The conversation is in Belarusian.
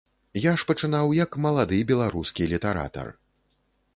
Я ж пачынаў, як малады беларускі літаратар.